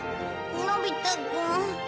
のび太くん。